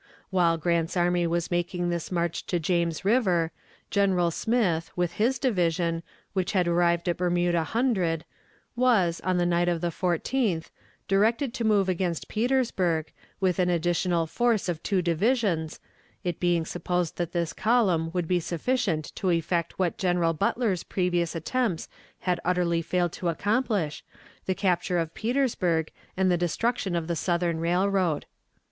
While Grant's army was making this march to James River, General Smith, with his division, which had arrived at Bermuda Hundred, was, on the night of the 14th, directed to move against Petersburg, with an additional force of two divisions, it being supposed that this column would be sufficient to effect what General Butler's previous attempts had utterly failed to accomplish, the capture of Petersburg and the destruction of the Southern Railroad.